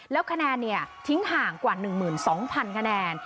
และคะแนะทิ้งห่างกว่า๑๐๐๐๐๐๐คะแนะ